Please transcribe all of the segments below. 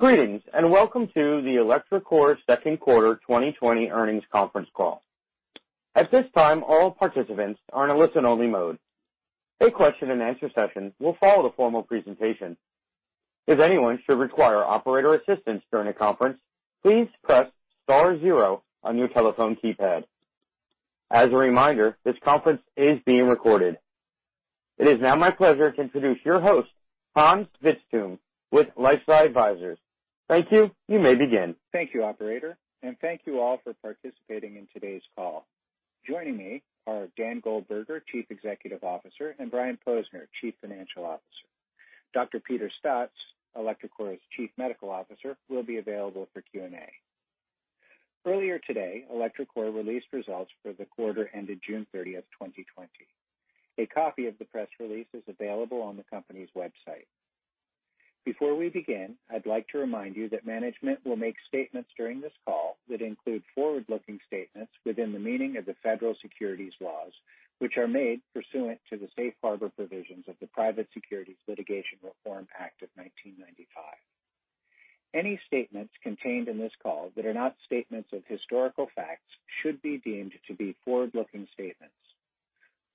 Greetings, welcome to the electroCore Second Quarter 2020 Earnings Conference Call. At this time, all participants are in a listen-only mode. A question and answer session will follow the formal presentation. If anyone should require operator assistance during the conference, please press star zero on your telephone keypad. As a reminder, this conference is being recorded. It is now my pleasure to introduce your host, Hans Vitzthum, with LifeSci Advisors. Thank you. You may begin. Thank you, operator, and thank you all for participating in today's call. Joining me are Daniel Goldberger, Chief Executive Officer, and Brian Posner, Chief Financial Officer. Dr. Peter Staats, electroCore's Chief Medical Officer, will be available for Q&A. Earlier today, electroCore released results for the quarter ended June 30, 2020. A copy of the press release is available on the company's website. Before we begin, I'd like to remind you that management will make statements during this call that include forward-looking statements within the meaning of the federal securities laws, which are made pursuant to the safe harbor provisions of the Private Securities Litigation Reform Act of 1995. Any statements contained in this call that are not statements of historical facts should be deemed to be forward-looking statements.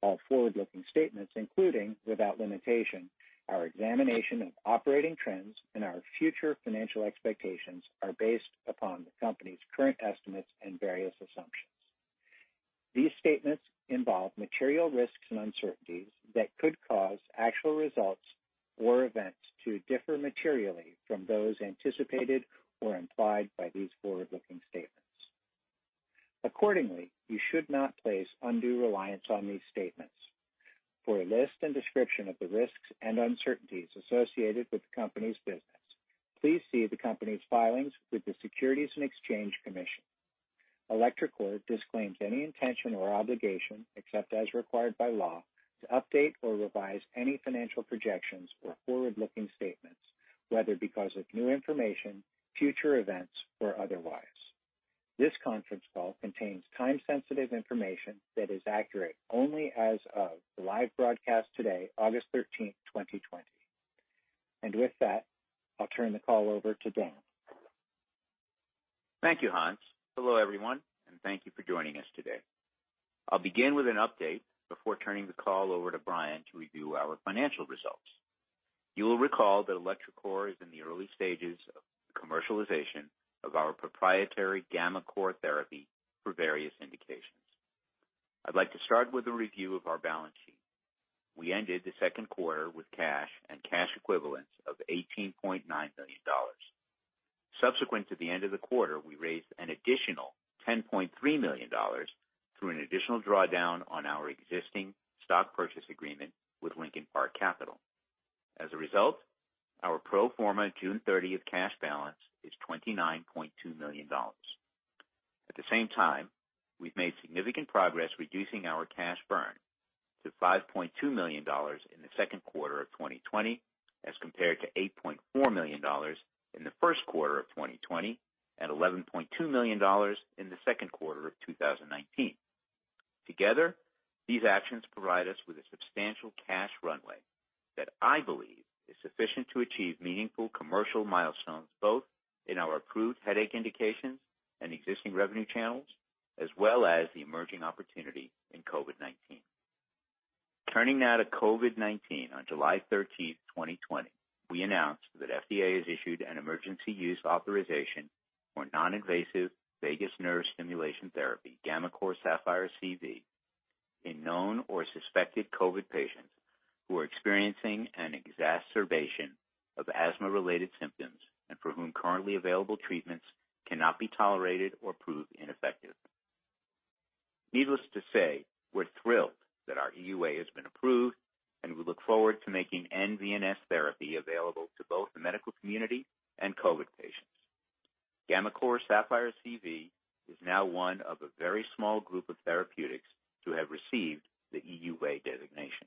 All forward-looking statements, including, without limitation, our examination of operating trends and our future financial expectations, are based upon the company's current estimates and various assumptions. These statements involve material risks and uncertainties that could cause actual results or events to differ materially from those anticipated or implied by these forward-looking statements. Accordingly, you should not place undue reliance on these statements. For a list and description of the risks and uncertainties associated with the company's business, please see the company's filings with the Securities and Exchange Commission. electroCore disclaims any intention or obligation, except as required by law, to update or revise any financial projections or forward-looking statements, whether because of new information, future events, or otherwise. This conference call contains time-sensitive information that is accurate only as of the live broadcast today, August 13th, 2020. With that, I'll turn the call over to Dan. Thank you, Hans. Hello, everyone, and thank you for joining us today. I'll begin with an update before turning the call over to Brian to review our financial results. You will recall that electroCore is in the early stages of the commercialization of our proprietary gammaCore therapy for various indications. I'd like to start with a review of our balance sheet. We ended the second quarter with cash and cash equivalents of $18.9 million. Subsequent to the end of the quarter, we raised an additional $10.3 million through an additional drawdown on our existing stock purchase agreement with Lincoln Park Capital. As a result, our pro forma June 30th cash balance is $29.2 million. At the same time, we've made significant progress reducing our cash burn to $5.2 million in the second quarter of 2020 as compared to $8.4 million in the first quarter of 2020 and $11.2 million in the second quarter of 2019. Together, these actions provide us with a substantial cash runway that I believe is sufficient to achieve meaningful commercial milestones, both in our approved headache indications and existing revenue channels, as well as the emerging opportunity in COVID-19. Turning now to COVID-19. On July 13th, 2020, we announced that FDA has issued an emergency use authorization for non-invasive vagus nerve stimulation therapy, gammaCore Sapphire CV, in known or suspected COVID patients who are experiencing an exacerbation of asthma-related symptoms and for whom currently available treatments cannot be tolerated or prove ineffective. Needless to say, we're thrilled that our EUA has been approved, and we look forward to making nVNS therapy available to both the medical community and COVID patients. gammaCore Sapphire CV is now one of a very small group of therapeutics to have received the EUA designation.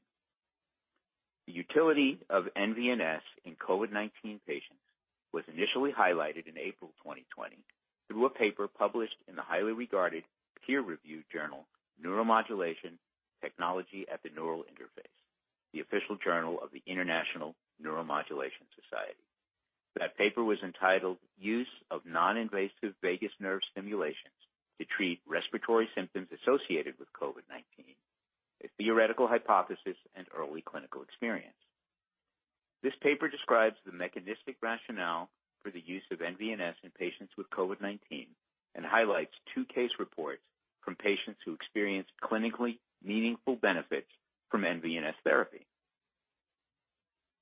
The utility of nVNS in COVID-19 patients was initially highlighted in April 2020 through a paper published in the highly regarded peer-reviewed journal, Neuromodulation: Technology at the Neural Interface, the official journal of the International Neuromodulation Society. That paper was entitled, "Use of Non-Invasive Vagus Nerve Stimulation to Treat Respiratory Symptoms Associated with COVID-19: A Theoretical Hypothesis and Early Clinical Experience." This paper describes the mechanistic rationale for the use of nVNS in patients with COVID-19 and highlights two case reports from patients who experienced clinically meaningful benefits from nVNS therapy.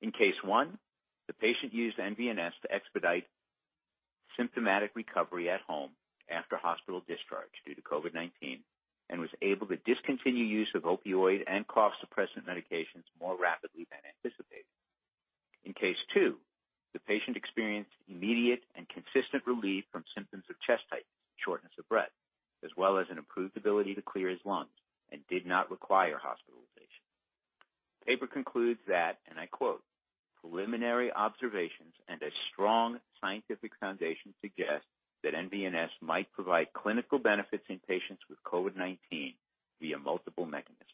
In case one, the patient used nVNS to expedite symptomatic recovery at home after hospital discharge due to COVID-19 and was able to discontinue use of opioid and cough suppressant medications more rapidly than anticipated. In case two, the patient experienced immediate and consistent relief from symptoms of chest tightness and shortness of breath, as well as an improved ability to clear his lungs, and did not require hospitalization. The paper concludes that, and I quote, "Preliminary observations and a strong scientific foundation suggest that nVNS might provide clinical benefits in patients with COVID-19 via multiple mechanisms."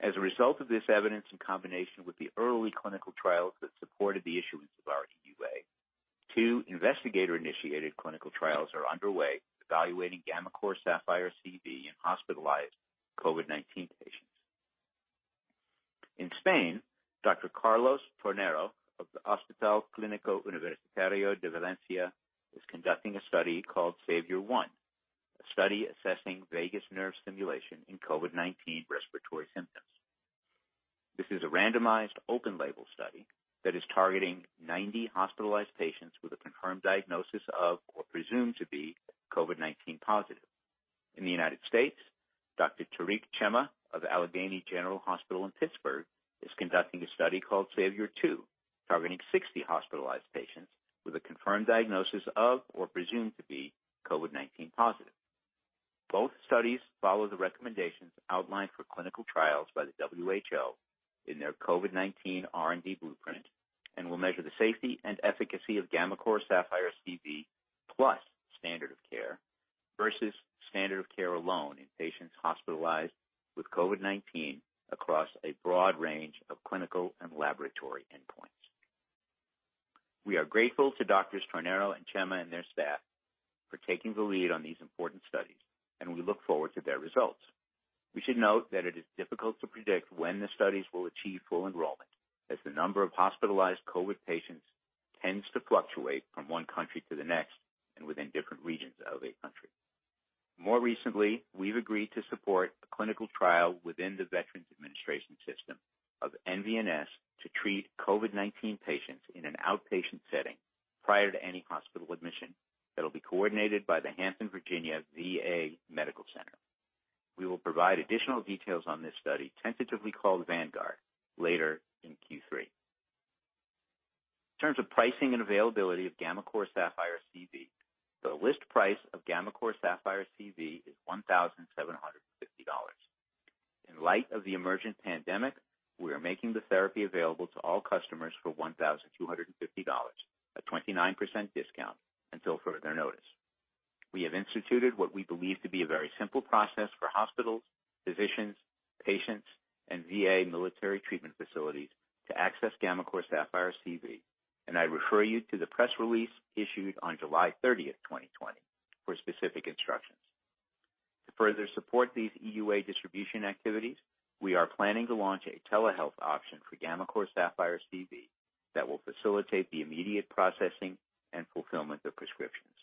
As a result of this evidence in combination with the early clinical trials that supported the issuance of our EUA, two investigator-initiated clinical trials are underway evaluating gammaCore Sapphire CV in hospitalized COVID-19 patients. In Spain, Dr. Carlos Tornero of the Hospital Clínico Universitario de Valencia is conducting a study called SAVIOR-1, a study assessing vagus nerve stimulation in COVID-19 respiratory symptoms. This is a randomized open-label study that is targeting 90 hospitalized patients with a confirmed diagnosis of, or presumed to be, COVID-19 positive. In the United States, Dr. Tariq Cheema of Allegheny General Hospital in Pittsburgh is conducting a study called SAVIOR-2, targeting 60 hospitalized patients with a confirmed diagnosis of, or presumed to be, COVID-19 positive. Both studies follow the recommendations outlined for clinical trials by the WHO in their COVID-19 R&D Blueprint and will measure the safety and efficacy of gammaCore Sapphire CV plus standard of care versus standard of care alone in patients hospitalized with COVID-19 across a broad range of clinical and laboratory endpoints. We are grateful to Doctors Tornero and Cheema and their staff for taking the lead on these important studies. We look forward to their results. We should note that it is difficult to predict when the studies will achieve full enrollment, as the number of hospitalized COVID patients tends to fluctuate from one country to the next and within different regions of a country. More recently, we've agreed to support a clinical trial within the Veterans Administration system of nVNS to treat COVID-19 patients in an outpatient setting prior to any hospital admission that'll be coordinated by the Hampton, Virginia VA Medical Center. We will provide additional details on this study, tentatively called VANGUARD, later in Q3. In terms of pricing and availability of gammaCore Sapphire CV, the list price of gammaCore Sapphire CV is $1,750. In light of the emergent pandemic, we are making the therapy available to all customers for $1,250, a 29% discount, until further notice. We have instituted what we believe to be a very simple process for hospitals, physicians, patients, and VA military treatment facilities to access gammaCore Sapphire CV, and I refer you to the press release issued on July 30th, 2020, for specific instructions. To further support these EUA distribution activities, we are planning to launch a telehealth option for gammaCore Sapphire CV that will facilitate the immediate processing and fulfillment of prescriptions.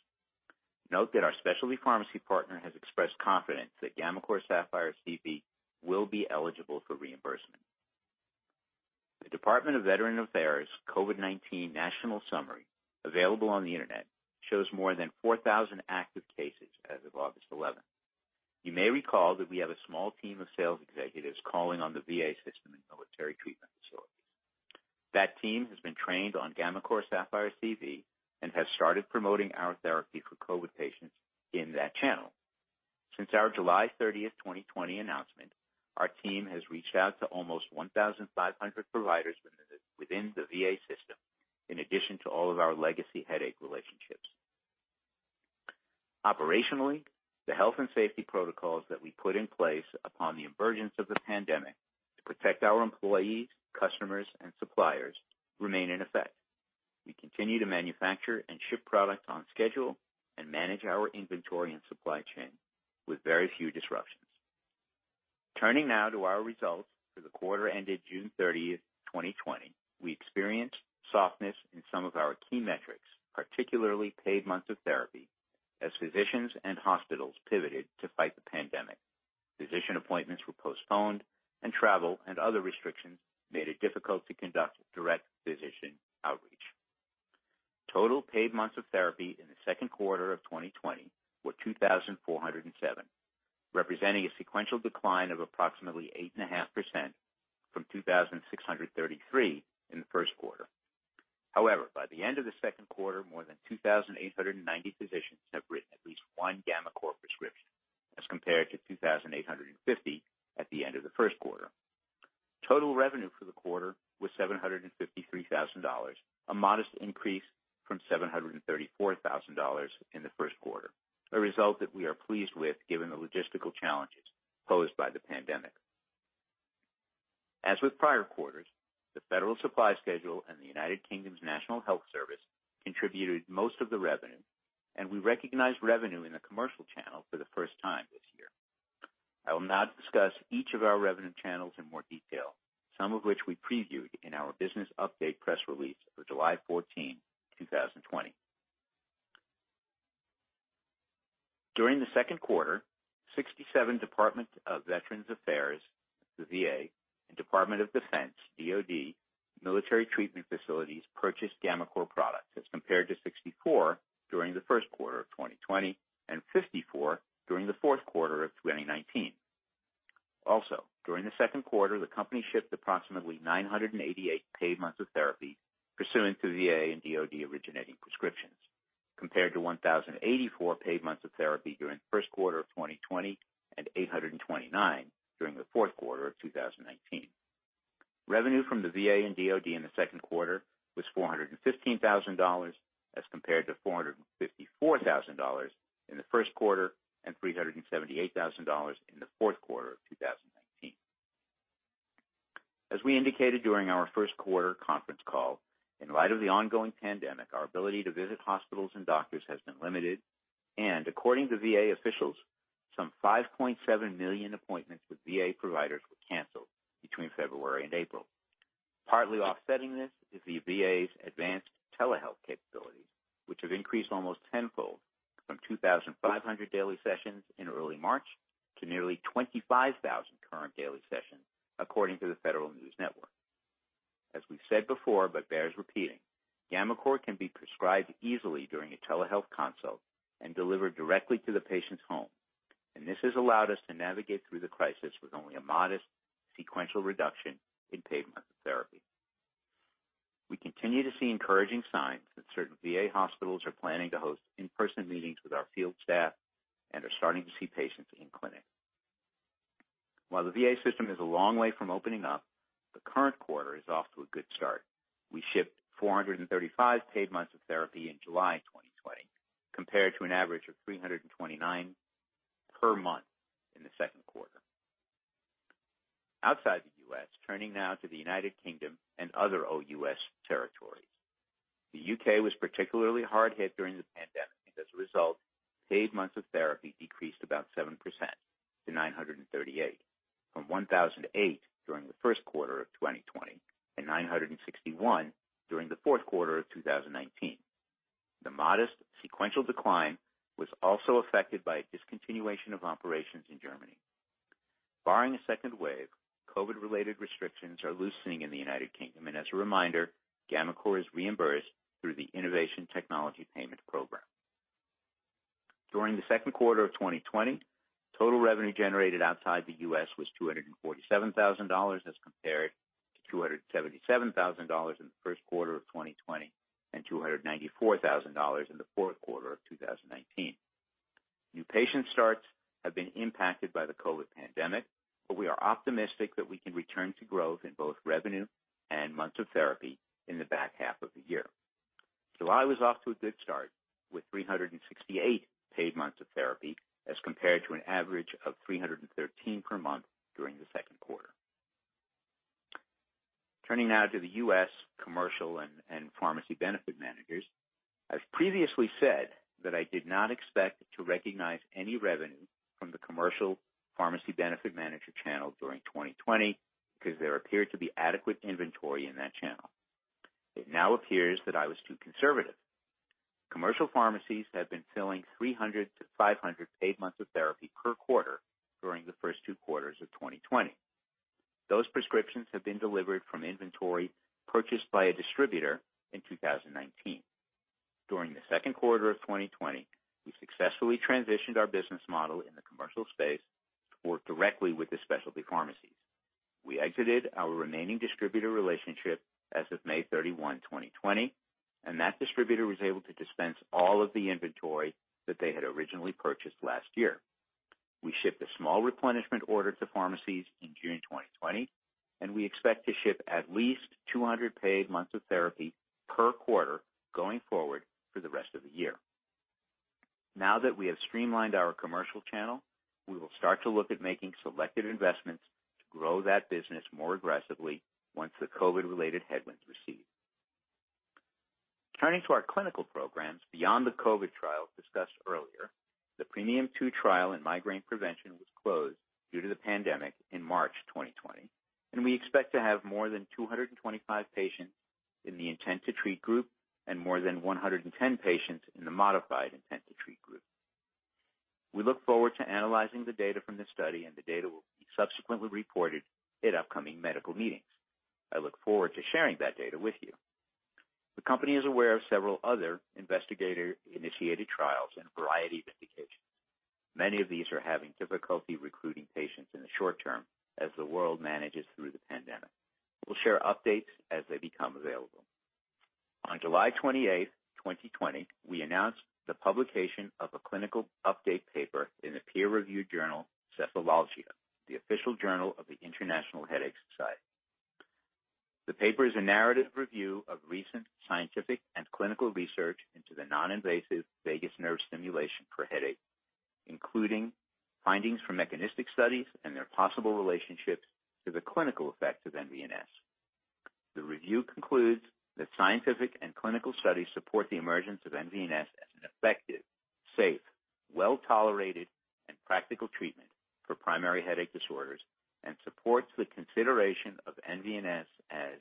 Note that our specialty pharmacy partner has expressed confidence that gammaCore Sapphire CV will be eligible for reimbursement. The Department of Veterans Affairs' COVID-19 National Summary, available on the internet, shows more than 4,000 active cases as of August 11th. You may recall that we have a small team of sales executives calling on the VA system and military treatment facilities. That team has been trained on gammaCore Sapphire CV and has started promoting our therapy for COVID patients in that channel. Since our July 30, 2020 announcement, our team has reached out to almost 1,500 providers within the VA system, in addition to all of our legacy headache relationships. Operationally, the health and safety protocols that we put in place upon the emergence of the pandemic to protect our employees, customers, and suppliers remain in effect. We continue to manufacture and ship product on schedule and manage our inventory and supply chain with very few disruptions. Turning now to our results for the quarter ended June 30, 2020. We experienced softness in some of our key metrics, particularly paid months of therapy, as physicians and hospitals pivoted to fight the pandemic. Physician appointments were postponed, and travel and other restrictions made it difficult to conduct direct physician outreach. Total paid months of therapy in the second quarter of 2020 were 2,407, representing a sequential decline of approximately 8.5% from 2,633 in the first quarter. However, by the end of the second quarter, more than 2,890 physicians have written at least one gammaCore prescription, as compared to 2,850 at the end of the first quarter. Total revenue for the quarter was $753,000, a modest increase from $734,000 in the first quarter, a result that we are pleased with given the logistical challenges posed by the pandemic. As with prior quarters, the Federal Supply Schedule and the United Kingdom's National Health Service contributed most of the revenue, and we recognized revenue in the commercial channel for the first time this year. I will now discuss each of our revenue channels in more detail, some of which we previewed in our business update press release of July 14, 2020. During the second quarter, 67 Department of Veterans Affairs, the VA, and Department of Defense, DoD, military treatment facilities purchased gammaCore products as compared to 64 during the first quarter of 2020 and 54 during the fourth quarter of 2019. During the second quarter, the company shipped approximately 988 paid months of therapy pursuant to VA and DoD originating prescriptions, compared to 1,084 paid months of therapy during the first quarter of 2020 and 829 during the fourth quarter of 2019. Revenue from the VA and DoD in the second quarter was $415,000 as compared to $454,000 in the first quarter and $378,000 in the fourth quarter of 2019. As we indicated during our first quarter conference call, in light of the ongoing pandemic, our ability to visit hospitals and doctors has been limited, and according to VA officials, some 5.7 million appointments with VA providers were canceled between February and April. Partly offsetting this is the VA's advanced telehealth capabilities, which have increased almost tenfold from 2,500 daily sessions in early March to nearly 25,000 current daily sessions, according to the Federal News Network. As we've said before, but bears repeating, gammaCore can be prescribed easily during a telehealth consult and delivered directly to the patient's home. This has allowed us to navigate through the crisis with only a modest sequential reduction in paid months of therapy. We continue to see encouraging signs that certain VA hospitals are planning to host in-person meetings with our field staff and are starting to see patients in clinic. While the VA system is a long way from opening up, the current quarter is off to a good start. We shipped 435 paid months of therapy in July 2020, compared to an average of 329 per month in the second quarter. Outside the U.S., turning now to the United Kingdom and other OUS territories. The U.K. was particularly hard hit during the pandemic. As a result, paid months of therapy decreased about 7% to 938 from 1,008 during the first quarter of 2020 and 961 during the fourth quarter of 2019. The modest sequential decline was also affected by a discontinuation of operations in Germany. Barring a second wave, COVID-related restrictions are loosening in the United Kingdom. As a reminder, gammaCore is reimbursed through the Innovation and Technology Payment Program. During the second quarter of 2020, total revenue generated outside the U.S. was $247,000 as compared to $277,000 in the first quarter of 2020 and $294,000 in the fourth quarter of 2019. New patient starts have been impacted by the COVID pandemic, but we are optimistic that we can return to growth in both revenue and months of therapy in the back half of the year. July was off to a good start with 368 paid months of therapy as compared to an average of 313 per month during the second quarter. Turning now to the U.S. commercial and pharmacy benefit managers. I've previously said that I did not expect to recognize any revenue from the commercial pharmacy benefit manager channel during 2020 because there appeared to be adequate inventory in that channel. It now appears that I was too conservative. Commercial pharmacies have been filling 300-500 paid months of therapy per quarter during the first two quarters of 2020. Those prescriptions have been delivered from inventory purchased by a distributor in 2019. During the second quarter of 2020, we successfully transitioned our business model in the commercial space to work directly with the specialty pharmacies. We exited our remaining distributor relationship as of May 31, 2020. That distributor was able to dispense all of the inventory that they had originally purchased last year. We shipped a small replenishment order to pharmacies in June 2020. We expect to ship at least 200 paid months of therapy per quarter going forward for the rest of the year. Now that we have streamlined our commercial channel, we will start to look at making selected investments to grow that business more aggressively once the COVID-related headwinds recede. Turning to our clinical programs. Beyond the COVID trial discussed earlier, the PREMIUM II trial in migraine prevention was closed due to the pandemic in March 2020. We expect to have more than 225 patients in the intent to treat group and more than 110 patients in the modified intent to treat group. We look forward to analyzing the data from this study. The data will be subsequently reported at upcoming medical meetings. I look forward to sharing that data with you. The company is aware of several other investigator-initiated trials in a variety of indications. Many of these are having difficulty recruiting patients in the short term as the world manages through the pandemic. We'll share updates as they become available. On July 28th, 2020, we announced the publication of a clinical update paper in the peer-reviewed journal, Cephalalgia, the official journal of the International Headache Society. The paper is a narrative review of recent scientific and clinical research into the non-invasive vagus nerve stimulation for headache, including findings from mechanistic studies and their possible relationships to the clinical effects of nVNS. The review concludes that scientific and clinical studies support the emergence of nVNS as an effective, safe, well-tolerated, and practical treatment for primary headache disorders and supports the consideration of nVNS as,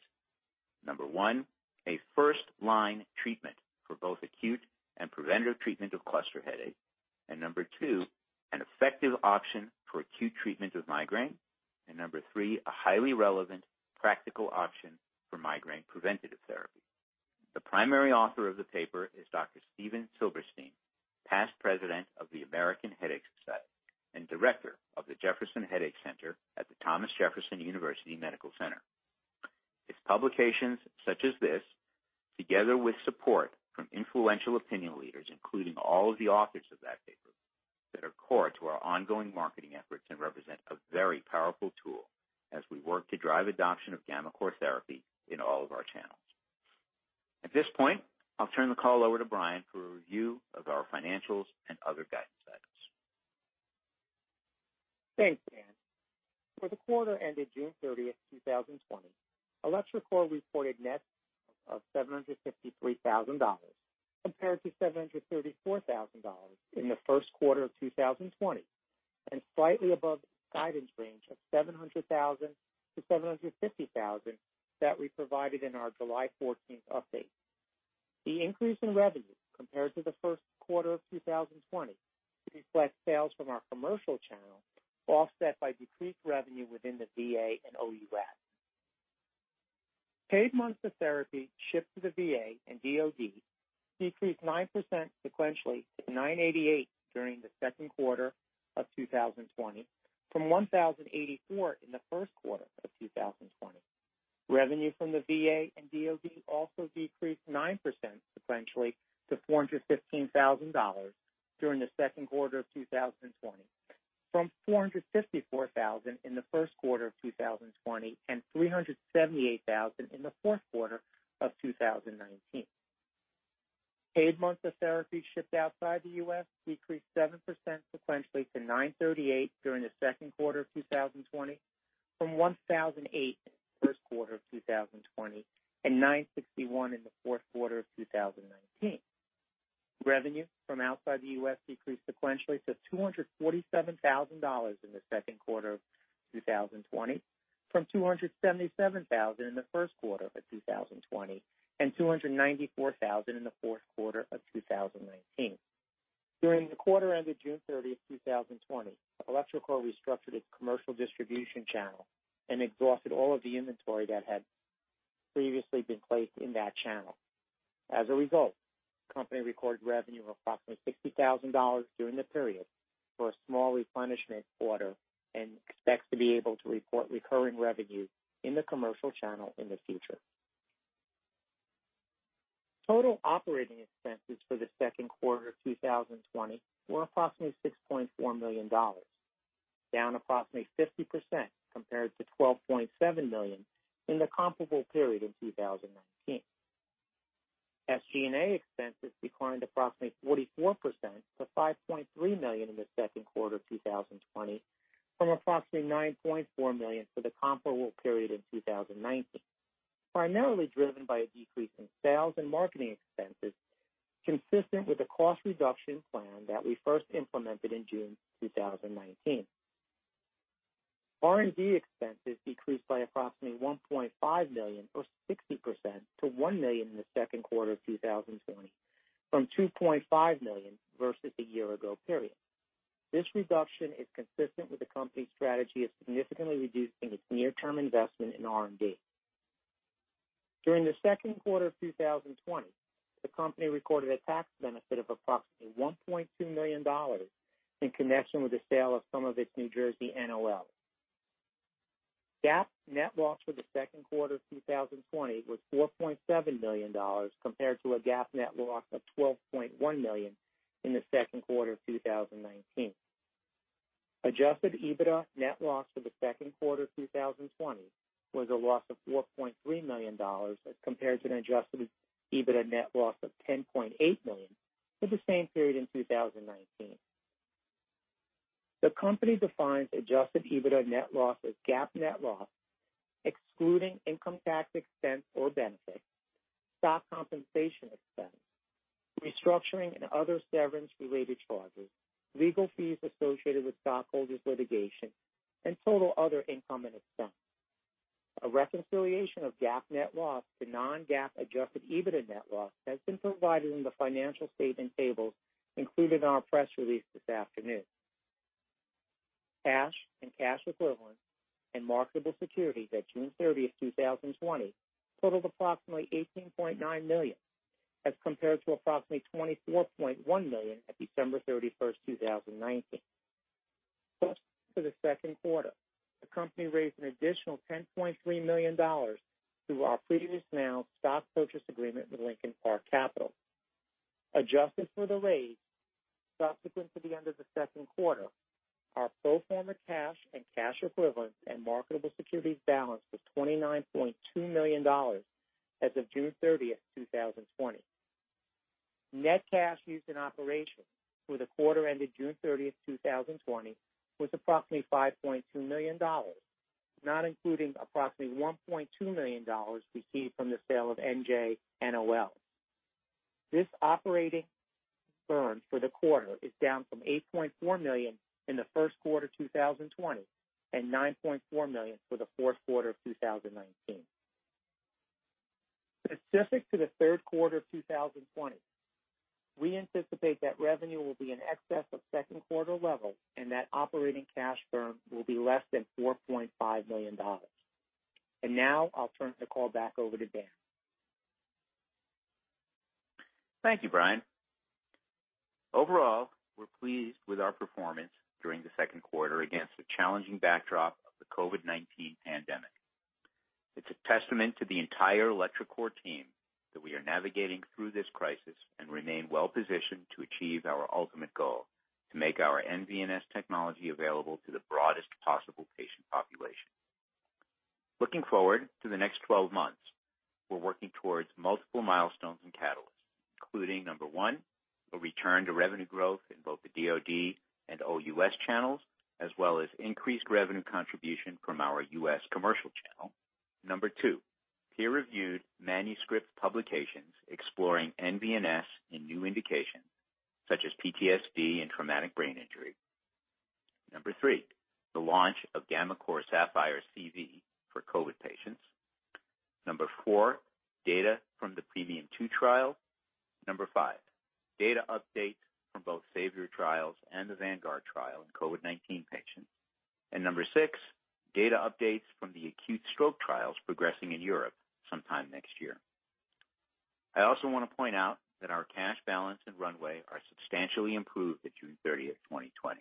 number one, a first-line treatment for both acute and preventive treatment of cluster headache, and number two, an effective option for acute treatment of migraine, and number three, a highly relevant practical option for migraine preventative therapy. The primary author of the paper is Dr. Stephen Silberstein, past president of the American Headache Society and director of the Jefferson Headache Center at the Thomas Jefferson University Hospital. It's publications such as this, together with support from influential opinion leaders, including all of the authors of that core to our ongoing marketing efforts and represent a very powerful tool as we work to drive adoption of gammaCore therapy in all of our channels. At this point, I'll turn the call over to Brian for a review of our financials and other guidance items. Thanks, Dan. For the quarter ended June 30th, 2020, electroCore reported net of $753,000 compared to $734,000 in the first quarter of 2020, and slightly above guidance range of $700,000-$750,000 that we provided in our July 14th update. The increase in revenue compared to the first quarter of 2020 reflects sales from our commercial channel, offset by decreased revenue within the VA and OUS. Paid months of therapy shipped to the VA and DOD decreased 9% sequentially to 988 during the second quarter of 2020 from 1,084 in the first quarter of 2020. Revenue from the VA and DOD also decreased 9% sequentially to $415,000 during the second quarter of 2020 from $454,000 in the first quarter of 2020 and $378,000 in the fourth quarter of 2019. Paid months of therapy shipped outside the U.S. decreased 7% sequentially to 938 during the second quarter of 2020 from 1,008 in the first quarter of 2020 and 961 in the fourth quarter of 2019. Revenue from outside the U.S. decreased sequentially to $247,000 in the second quarter of 2020 from $277,000 in the first quarter of 2020 and $294,000 in the fourth quarter of 2019. During the quarter ended June 30th, 2020, electroCore restructured its commercial distribution channel and exhausted all of the inventory that had previously been placed in that channel. As a result, the company recorded revenue of approximately $60,000 during the period for a small replenishment order and expects to be able to report recurring revenue in the commercial channel in the future. Total operating expenses for the second quarter of 2020 were approximately $6.4 million, down approximately 50% compared to $12.7 million in the comparable period in 2019. SG&A expenses declined approximately 44% to $5.3 million in the second quarter of 2020 from approximately $9.4 million for the comparable period in 2019, primarily driven by a decrease in sales and marketing expenses consistent with a cost reduction plan that we first implemented in June 2019. R&D expenses decreased by approximately $1.5 million or 60% to $1 million in the second quarter of 2020 from $2.5 million versus a year ago period. This reduction is consistent with the company's strategy of significantly reducing its near-term investment in R&D. During the second quarter of 2020, the company recorded a tax benefit of approximately $1.2 million in connection with the sale of some of its New Jersey NOL. GAAP net loss for the second quarter of 2020 was $4.7 million compared to a GAAP net loss of $12.1 million in the second quarter of 2019. Adjusted EBITDA net loss for the second quarter of 2020 was a loss of $4.3 million as compared to an adjusted EBITDA net loss of $10.8 million for the same period in 2019. The company defines adjusted EBITDA net loss as GAAP net loss, excluding income tax expense or benefit, stock compensation expense, restructuring and other severance-related charges, legal fees associated with stockholders' litigation, and total other income and expense. A reconciliation of GAAP net loss to non-GAAP adjusted EBITDA net loss has been provided in the financial statement tables included in our press release this afternoon. Cash and cash equivalents and marketable securities at June 30th, 2020 totaled approximately $18.9 million as compared to approximately $24.1 million at December 31st, 2019. for the second quarter, the company raised an additional $10.3 million through our previously announced stock purchase agreement with Lincoln Park Capital. Adjusted for the raise subsequent to the end of the second quarter, our pro forma cash and cash equivalents and marketable securities balance was $29.2 million as of June 30th, 2020. Net cash used in operations for the quarter ended June 30th, 2020 was approximately $5.2 million, not including approximately $1.2 million received from the sale of NJ NOL. This operating burn for the quarter is down from $8.4 million in the first quarter 2020 and $9.4 million for the fourth quarter of 2019. Specific to the third quarter of 2020, we anticipate that revenue will be in excess of second quarter levels and that operating cash burn will be less than $4.5 million. Now I'll turn the call back over to Dan. Thank you, Brian. Overall, we're pleased with our performance during the second quarter against the challenging backdrop of the COVID-19 pandemic. It's a testament to the entire electroCore team that we are navigating through this crisis and remain well-positioned to achieve our ultimate goal, to make our nVNS technology available to the broadest possible patient population. Looking forward to the next 12 months, we're working towards multiple milestones and catalysts, including, number one, a return to revenue growth in both the DoD and OUS channels, as well as increased revenue contribution from our U.S. commercial channel. Number two, peer-reviewed manuscript publications exploring nVNS in new indications such as PTSD and traumatic brain injury. Number three, the launch of gammaCore Sapphire CV for COVID patients. Number four, data from the nNVS trial. Number five, data updates from both SAVIOR trials and the VANGUARD trial in COVID-19 patients. Number six, data updates from the acute stroke trials progressing in Europe sometime next year. I also want to point out that our cash balance and runway are substantially improved at June 30, 2020.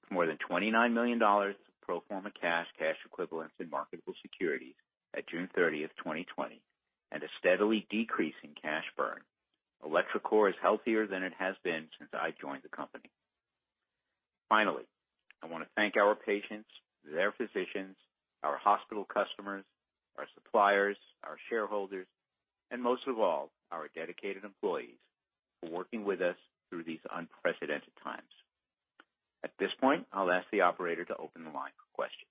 With more than $29 million of pro forma cash equivalents, and marketable securities at June 30, 2020, and a steadily decreasing cash burn, electroCore is healthier than it has been since I joined the company. Finally, I want to thank our patients, their physicians, our hospital customers, our suppliers, our shareholders, and most of all, our dedicated employees, for working with us through these unprecedented times. At this point, I'll ask the operator to open the line for questions.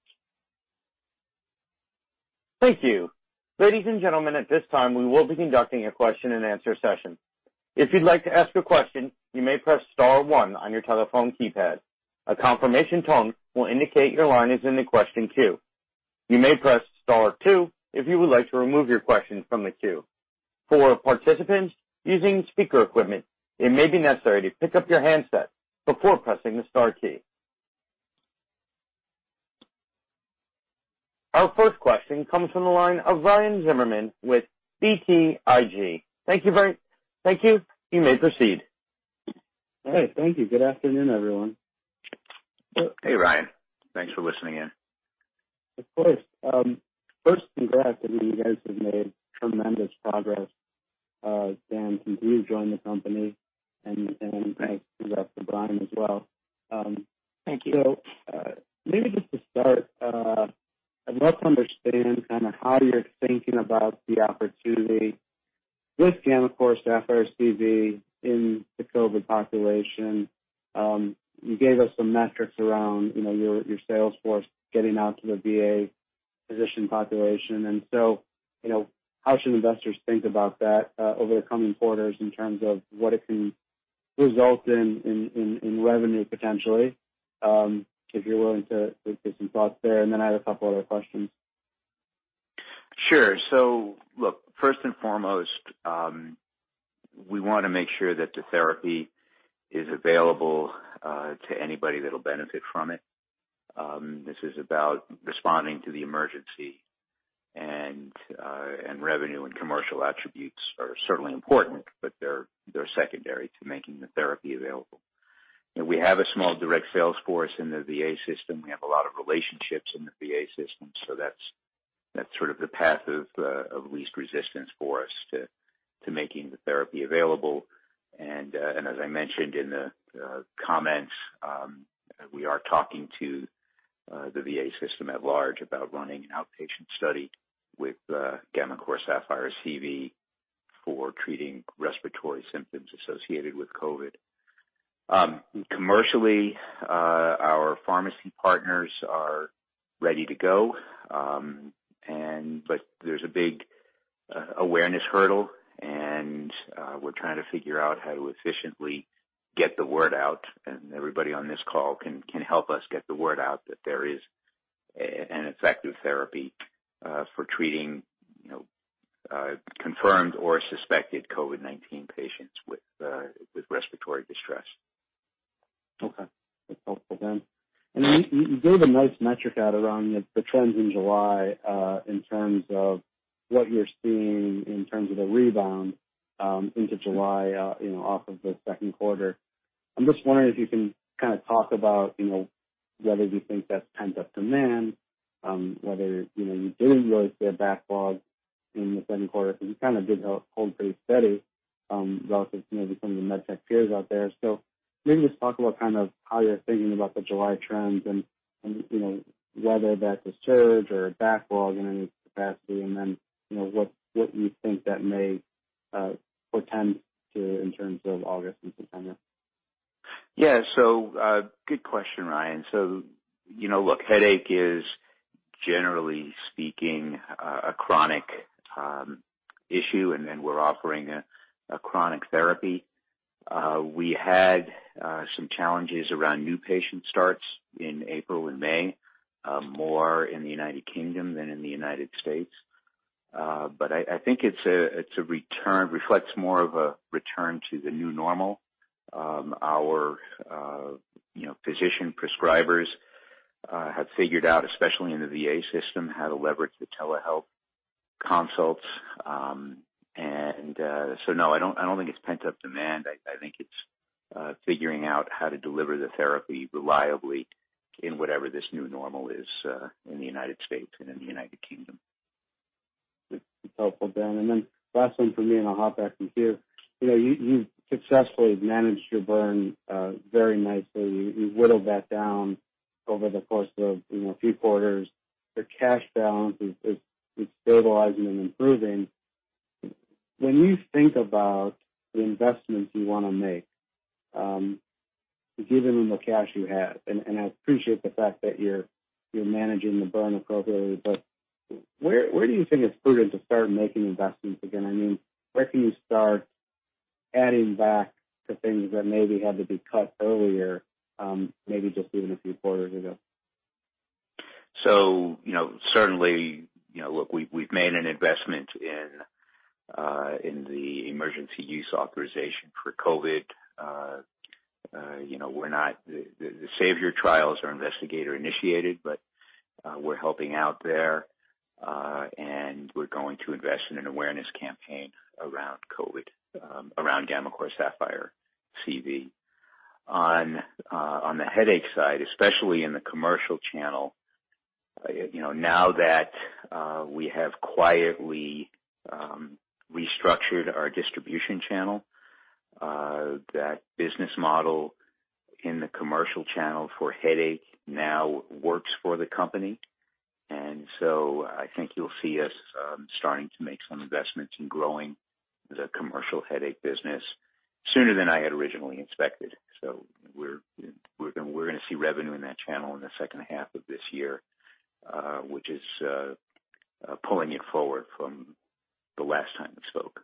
Thank you. Ladies and gentlemen, at this time, we will be conducting a question and answer session. If you'd like to ask a question, you may press star one on your telephone keypad. A confirmation tone will indicate your line is in the question queue. You may press star two if you would like to remove your question from the queue. For participants using speaker equipment, it may be necessary to pick up your handset before pressing the star key. Our first question comes from the line of Ryan Zimmerman with BTIG. Thank you. You may proceed. Hey, thank you. Good afternoon, everyone. Hey, Ryan. Thanks for listening in. Of course. First, congrats. I mean, you guys have made tremendous progress, Dan, since you joined the company, and congrats to Brian as well. Thank you. Maybe just to start, I'd love to understand kind of how you're thinking about the opportunity with gammaCore Sapphire CV in the COVID population. You gave us some metrics around your sales force getting out to the VA physician population, how should investors think about that over the coming quarters in terms of what it can result in revenue, potentially? If you're willing to give some thoughts there, I had a couple other questions. Sure. Look, first and foremost, we want to make sure that the therapy is available to anybody that'll benefit from it. This is about responding to the emergency, and revenue and commercial attributes are certainly important, but they're secondary to making the therapy available. We have a small direct sales force in the VA system. We have a lot of relationships in the VA system, so that's sort of the path of least resistance for us to making the therapy available. As I mentioned in the comments, we are talking to the VA system at large about running an outpatient study with gammaCore Sapphire CV for treating respiratory symptoms associated with COVID. Commercially, our pharmacy partners are ready to go. There's a big awareness hurdle, and we're trying to figure out how to efficiently get the word out. Everybody on this call can help us get the word out that there is an effective therapy for treating confirmed or suspected COVID-19 patients with respiratory distress. Okay. That's helpful then. You gave a nice metric out around the trends in July, in terms of what you're seeing in terms of the rebound into July off of the second quarter. I'm just wondering if you can kind of talk about whether you think that's pent-up demand, whether you didn't really see a backlog in the second quarter because you kind of did hold pretty steady, relative to maybe some of the med tech peers out there? Maybe just talk about kind of how you're thinking about the July trends and whether that was surge or a backlog in any capacity, and then what you think that may portend to in terms of August and September? Yeah. Good question, Ryan. Headache is, generally speaking, a chronic issue, and we're offering a chronic therapy. We had some challenges around new patient starts in April and May, more in the U.K. than in the U.S. I think it reflects more of a return to the new normal. Our physician prescribers have figured out, especially in the VA system, how to leverage the telehealth consults. No, I don't think it's pent-up demand. I think it's figuring out how to deliver the therapy reliably in whatever this new normal is, in the U.S. and in the U.K. That's helpful, Ben. Then last one from me, and I'll hop back in queue. You've successfully managed your burn very nicely. You've whittled that down over the course of a few quarters. Your cash balance is stabilizing and improving. When you think about the investments you want to make, given the cash you have, and I appreciate the fact that you're managing the burn appropriately, where do you think it's prudent to start making investments again? Where can you start adding back to things that maybe had to be cut earlier, maybe just even a few quarters ago? Certainly, look, we've made an investment in the emergency use authorization for COVID. The SAVIOR trials are investigator initiated, but we're helping out there. We're going to invest in an awareness campaign around COVID, around gammaCore Sapphire CV. On the headache side, especially in the commercial channel, now that we have quietly restructured our distribution channel, that business model in the commercial channel for headache now works for the company. I think you'll see us starting to make some investments in growing the commercial headache business sooner than I had originally expected. We're going to see revenue in that channel in the second half of this year, which is pulling it forward from the last time we spoke.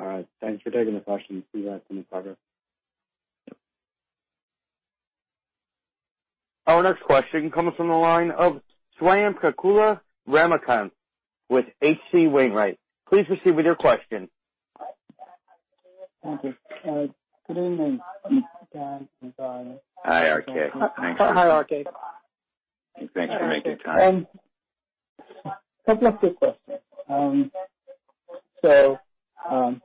All right. Thanks for taking the question. See you guys in the progress. Yep. Our next question comes from the line of Swayampakula Ramakanth with H.C. Wainwright. Please proceed with your question. Thank you. Good evening. Hi, RK. Thanks for- Hi, RK. Thanks for making time. A couple of quick questions.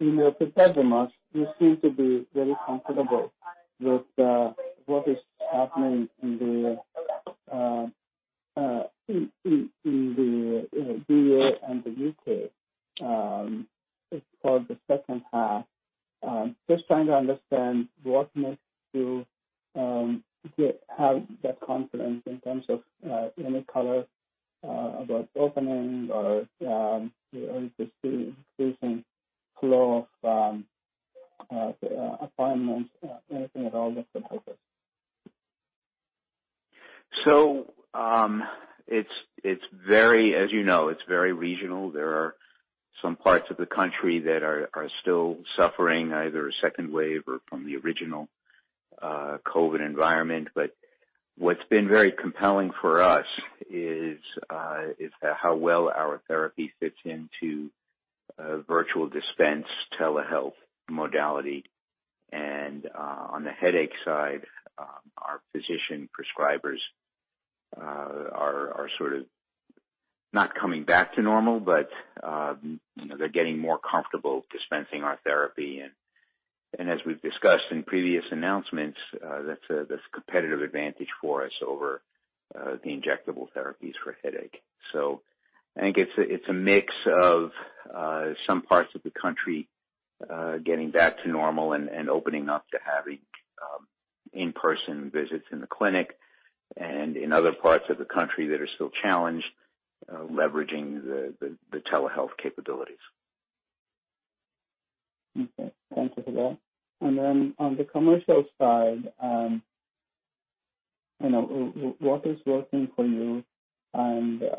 In your prepared remarks, you seem to be very comfortable with what is happening in the VA and the U.K. for the second half. Just trying to understand what makes you have that confidence in terms of any color about opening or increasing flow of appointments anything at all that could help us? As you know, it's very regional. There are some parts of the country that are still suffering either a second wave or from the original COVID-19 environment. What's been very compelling for us is how well our therapy fits into a virtual dispense telehealth modality. On the headache side, our physician prescribers are sort of not coming back to normal, but they're getting more comfortable dispensing our therapy. As we've discussed in previous announcements, that's a competitive advantage for us over the injectable therapies for headache. I think it's a mix of some parts of the country getting back to normal and opening up to having in-person visits in the clinic and in other parts of the country that are still challenged, leveraging the telehealth capabilities. Okay. Thank you for that. Then on the commercial side, what is working for you, and should we expect additional replenishment orders flowing out to some of the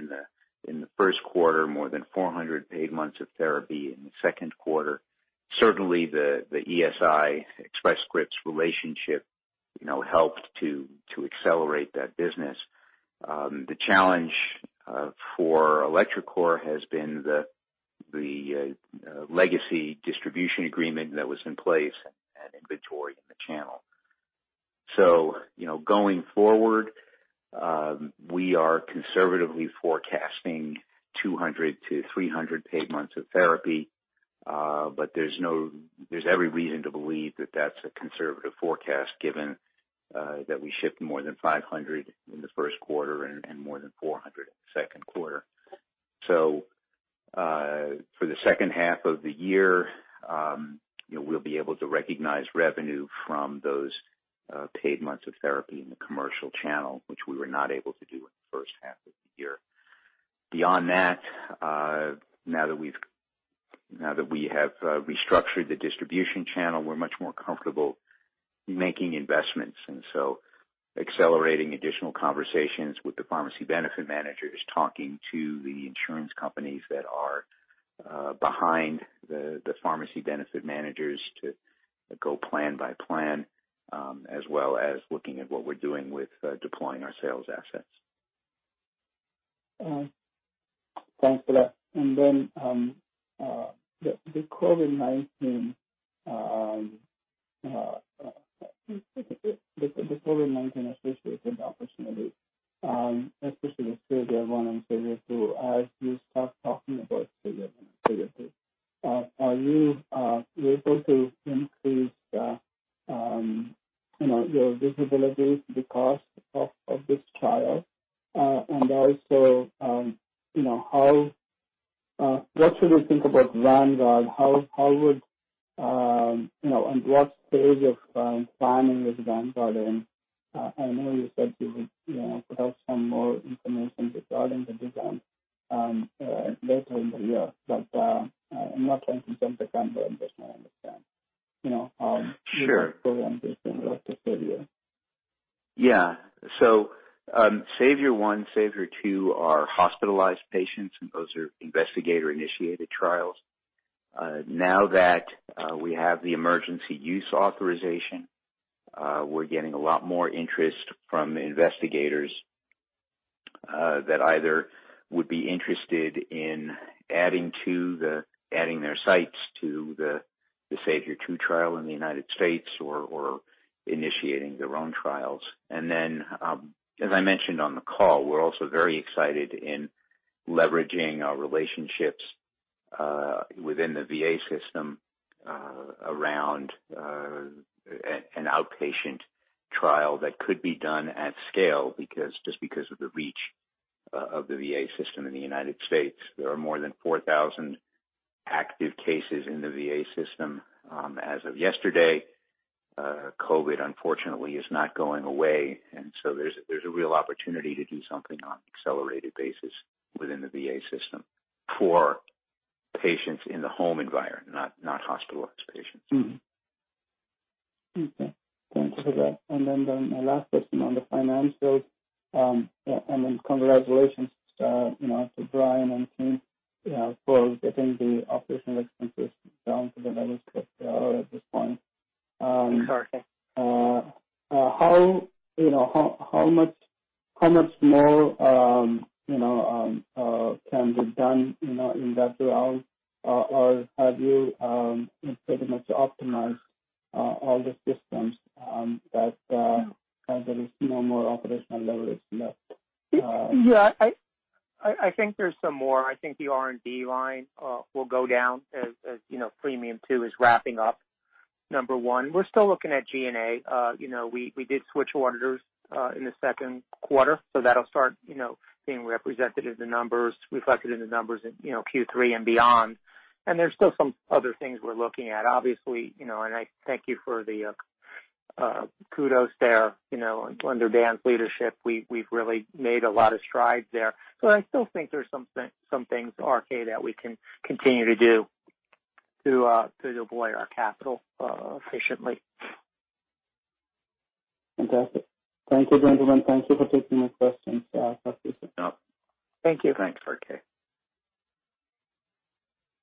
distributors? Also, earlier in the year, I believe in the month of January, you talked about absence of doing a system on this gammaCore as a preferred drug. How are they fairing during these times? Is there any comments please on that space? We previously announced that we shipped more than 500 paid months of therapy in the first quarter, more than 400 paid months of therapy in the second quarter. Certainly, the ESI Express Scripts relationship helped to accelerate that business. The challenge for electroCore has been the legacy distribution agreement that was in place and inventory in the channel. Going forward, we are conservatively forecasting 200-300 paid months of therapy. There's every reason to believe that that's a conservative forecast given that we shipped more than 500 in the first quarter and more than 400 in the second quarter. For the second half of the year, we'll be able to recognize revenue from those paid months of therapy in the commercial channel, which we were not able to do in the first half of the year. Beyond that, now that we have restructured the distribution channel, we're much more comfortable making investments, accelerating additional conversations with the pharmacy benefit managers, talking to the insurance companies that are behind the pharmacy benefit managers to go plan by plan, as well as looking at what we're doing with deploying our sales assets. Thanks for that. The COVID-19 associated opportunities, especially SAVIOR-1 and SAVIOR-2, as you start talking about SAVIOR-1 and SAVIOR-2, are you able to increase your visibility to the cost of this trial? What should we think about VANGUARD? At what stage of planning is VANGUARD in? I know you said you would put out some more information regarding the design later in the year. I'm not trying to jump the gun, but I'm just trying to understand. Sure. How you are progressing with the SAVIOR? Yeah. SAVIOR-1, SAVIOR-2 are hospitalized patients, and those are investigator-initiated trials. Now that we have the emergency use authorization, we're getting a lot more interest from investigators that either would be interested in adding their sites to the SAVIOR-2 trial in the United States or initiating their own trials. As I mentioned on the call, we're also very excited in leveraging our relationships within the VA system around an outpatient trial that could be done at scale just because of the reach of the VA system in the United States. There are more than 4,000 active cases in the VA system as of yesterday. COVID-19, unfortunately, is not going away, there's a real opportunity to do something on an accelerated basis within the VA system for patients in the home environment, not hospitalized patients. Okay. Thanks for that. Then my last question on the financials. Then congratulations to Brian and team for getting the OpEx down to the lowest at this point. Sure thing. How much more can be done in that realm or have you pretty much optimized all the systems that there is no more operational leverage left? I think there's some more. I think the R&D line will go down as PREMIUM II is wrapping up. Number one. We're still looking at G&A. We did switch auditors in the second quarter, so that'll start being reflected in the numbers in Q3 and beyond. There's still some other things we're looking at. Obviously, and I thank you for the kudos there. Under Dan's leadership, we've really made a lot of strides there. I still think there's some things, RK, that we can continue to do to deploy our capital efficiently. Fantastic. Thank you, gentlemen. Thank you for taking my questions. Talk to you soon. Thank you. Thanks, RK.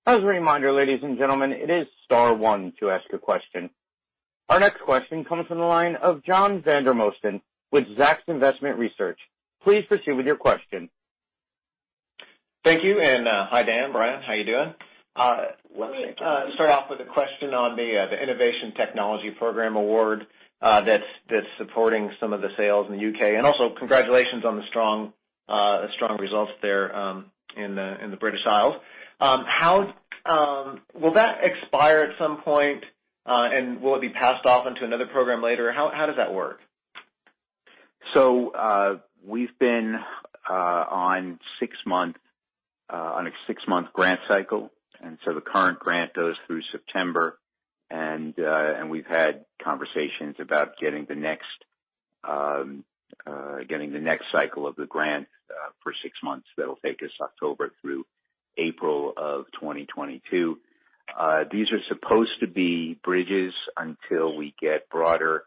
As a reminder, ladies and gentlemen, it is star one to ask a question. Our next question comes from the line of John Vandermosten with Zacks Investment Research. Please proceed with your question. Thank you. Hi, Dan, Brian. How you doing? Let me start off with a question on the Innovation and Technology Payment Program award that's supporting some of the sales in the U.K. Also congratulations on the strong results there in the British Isles. Will that expire at some point? Will it be passed off into another program later? How does that work? We've been on a six-month grant cycle. The current grant goes through September and we've had conversations about getting the next cycle of the grant for six months that'll take us October through April of 2022. These are supposed to be bridges until we get broader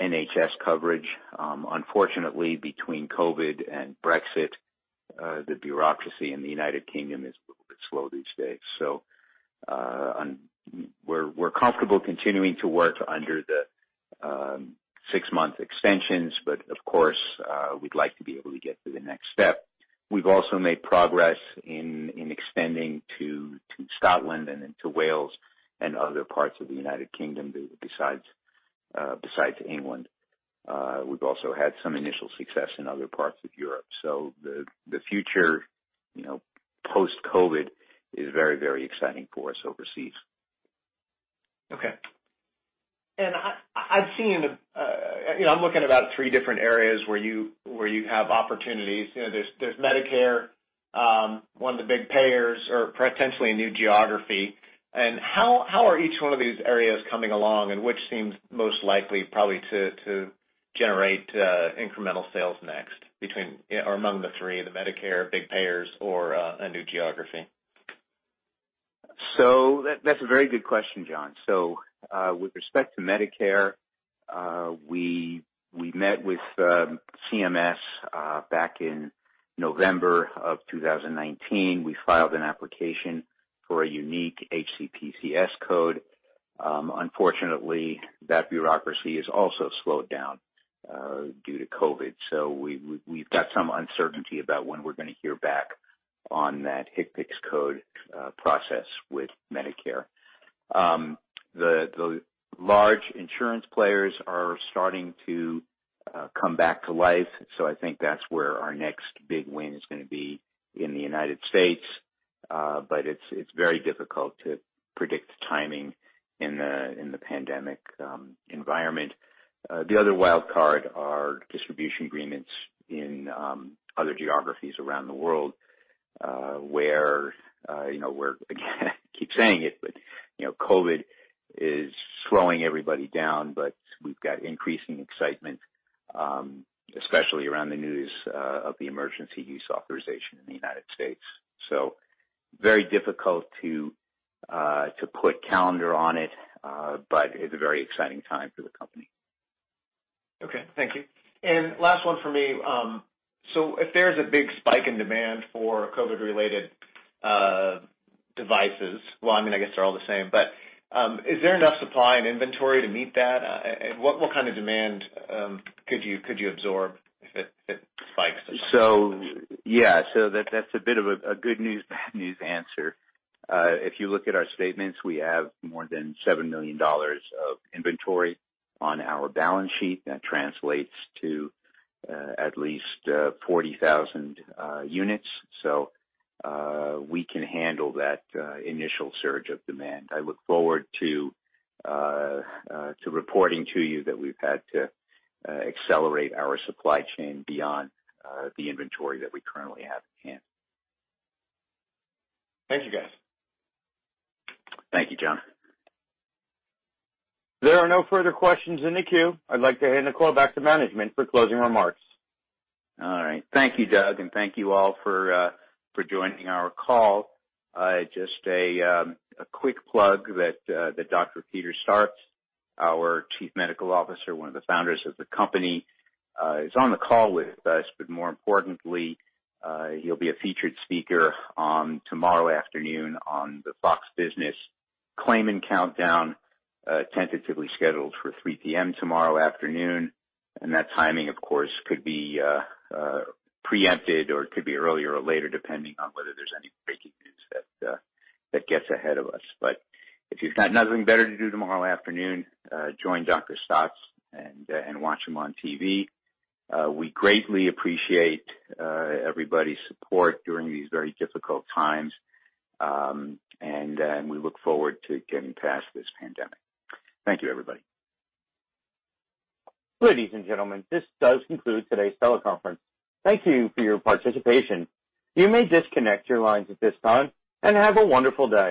NHS coverage. Unfortunately, between COVID and Brexit, the bureaucracy in the United Kingdom is a little bit slow these days. We're comfortable continuing to work under the six-month extensions, but of course, we'd like to be able to get to the next step. We've also made progress in extending to Scotland and into Wales and other parts of the United Kingdom besides England. We've also had some initial success in other parts of Europe. The future post-COVID is very exciting for us overseas. Okay. I'm looking at about three different areas where you have opportunities. There's Medicare, one of the big payers, or potentially a new geography. How are each one of these areas coming along, and which seems most likely probably to generate incremental sales next among the three, the Medicare, big payers, or a new geography? That's a very good question, John. With respect to Medicare, we met with CMS back in November of 2019. We filed an application for a unique HCPCS code. Unfortunately, that bureaucracy has also slowed down due to COVID. We've got some uncertainty about when we're going to hear back on that HCPCS code process with Medicare. The large insurance players are starting to come back to life, so I think that's where our next big win is going to be in the United States. It's very difficult to predict timing in the pandemic environment. The other wildcard are distribution agreements in other geographies around the world, where, again, I keep saying it, but COVID is slowing everybody down, but we've got increasing excitement, especially around the news of the Emergency Use Authorization in the United States. Very difficult to put calendar on it, but it's a very exciting time for the company. Okay. Thank you. Last one for me. If there's a big spike in demand for COVID-related devices, well, I guess they're all the same, but is there enough supply and inventory to meet that? What kind of demand could you absorb if it spikes? Yeah. That's a bit of a good news, bad news answer. If you look at our statements, we have more than $7 million of inventory on our balance sheet. That translates to at least 40,000 units. We can handle that initial surge of demand. I look forward to reporting to you that we've had to accelerate our supply chain beyond the inventory that we currently have in hand. Thank you, guys. Thank you, John. There are no further questions in the queue. I'd like to hand the call back to management for closing remarks. All right. Thank you, Doug, and thank you all for joining our call. Just a quick plug that Dr. Peter Staats, our Chief Medical Officer, one of the founders of the company, is on the call with us, but more importantly, he'll be a featured speaker tomorrow afternoon on the Fox Business Claman Countdown, tentatively scheduled for 3:00 P.M. tomorrow afternoon. That timing, of course, could be preempted or could be earlier or later, depending on whether there's any breaking news that gets ahead of us. If you've got nothing better to do tomorrow afternoon, join Dr. Staats and watch him on TV. We greatly appreciate everybody's support during these very difficult times, and we look forward to getting past this pandemic. Thank you, everybody. Ladies and gentlemen, this does conclude today's teleconference. Thank you for your participation. You may disconnect your lines at this time, and have a wonderful day.